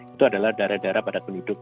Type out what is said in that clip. itu adalah daerah daerah padat penduduk